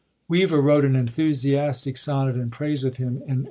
Weever wrote an enthusiastic sonnet in praise of him in 1565.